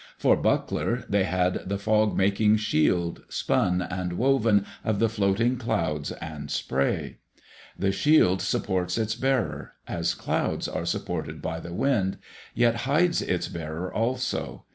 For buckler, they had the fog making shield, spun and woven of the floating clouds and spray. The shield supports its bearer, as clouds are supported by the wind, yet hides its bearer also.